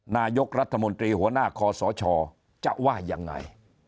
นายกรัฐมนตรีหัวหน้าคอสชจะว่ายังไง